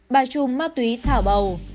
bà chùm ma túy thảo bầu